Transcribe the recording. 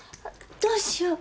どうしよう。